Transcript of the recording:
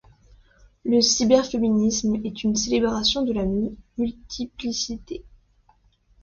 Le cyberféminisme est une célébration de la multiplicité.